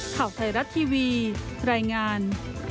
ข่าวไทยรัฐทีวีรายงาน